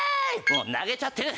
もう投げちゃってる！